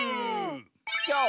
きょうは。